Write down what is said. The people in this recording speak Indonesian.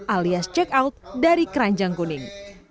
alias check out dari keranjang kuning